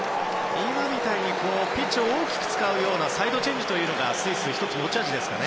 今みたいにピッチを大きく使うようなサイドチェンジというのが１つ、スイスの持ち味ですよね。